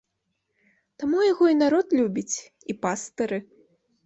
Таму яго і народ любіць, і пастыры.